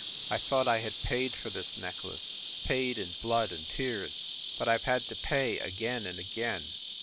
I thought I had paid for this necklace, paid in blood and tears ; but I ve had to pay again and again.